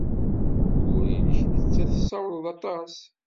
Ugur-nnek netta tessawaleḍ aṭas.